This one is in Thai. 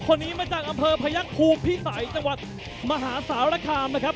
คนนี้มาจากอำเภอพยักษ์ภูมิพิสัยจังหวัดมหาสารคามนะครับ